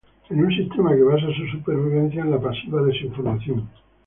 en un sistema que basa su supervivencia en la pasiva desinformación